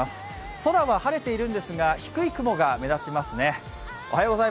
空は晴れているんですが低い雲が目立ちますね。